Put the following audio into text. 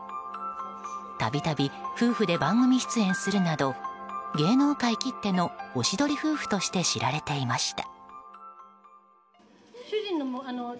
度々、夫婦で番組出演するなど芸能界きってのおしどり夫婦として知られていました。